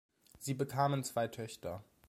Sie bekamen zwei Töchter.